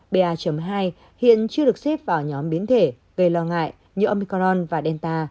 ba hai hiện chưa được xếp vào nhóm biến thể gây lo ngại như omicron và delta